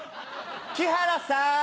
木原さん！